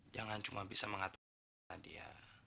jangan cuma bisa mengatakan karena dia